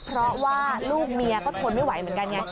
เพราะว่าลูกเมียก็ทนไม่ไหวเหมือนกันไง